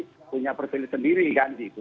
tapi punya persilih sendiri kan gitu